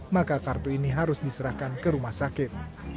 maka kartu ini harus diserahkan ke rumah sakit